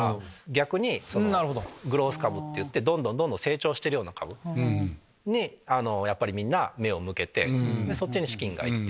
逆にグロース株っていってどんどん成長してるような株にやっぱりみんな目を向けてそっちに資金がいって。